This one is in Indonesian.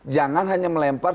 jangan hanya melempar